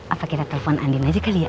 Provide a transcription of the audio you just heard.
apa kita telepon andin aja kali ya